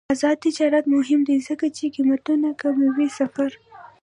آزاد تجارت مهم دی ځکه چې قیمتونه کموي سفر.